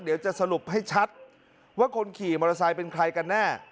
เดี๋ยวจะสรุปให้ชัดว่าคนขี่มอเตอร์ไซค์เป็นใครกันแน่